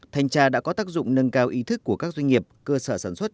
thanh tra đã có tác dụng nâng cao ý thức của các doanh nghiệp cơ sở sản xuất